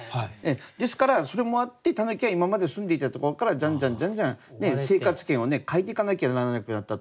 ですからそれもあって狸が今まで住んでいたところからじゃんじゃんじゃんじゃん生活圏を変えていかなきゃならなくなったと。